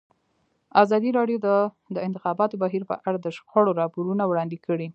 ازادي راډیو د د انتخاباتو بهیر په اړه د شخړو راپورونه وړاندې کړي.